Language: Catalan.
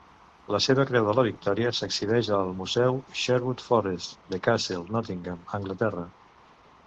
La seva Creu de la Victòria s'exhibeix al Museu Sherwood Foresters, The Castle, Nottingham (Anglaterra).